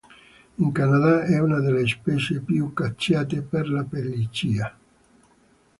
In Canada, è una delle specie più cacciate per la pelliccia.